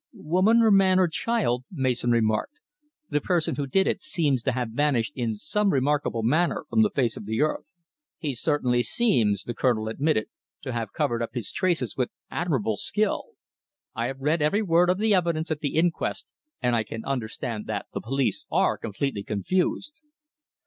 "Woman or man or child," Mason remarked, "the person who did it seems to have vanished in some remarkable manner from the face of the earth." "He certainly seems," the Colonel admitted, "to have covered up his traces with admirable skill. I have read every word of the evidence at the inquest, and I can understand that the police are completely confused."